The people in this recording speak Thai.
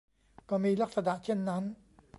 ก็มีลักษณะเช่นนั้น